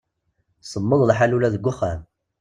Semmeḍ lḥal ula deg uxxam.